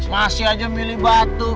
makasih aja milih batu